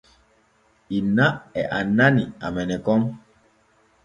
Inna e annani amene kon.